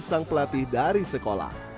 sang pelatih dari sekolah